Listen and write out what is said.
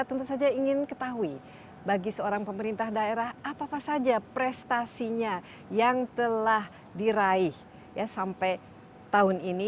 tentu saja ingin ketahui bagi seorang pemerintah daerah apa apa saja prestasinya yang telah diraih sampai tahun ini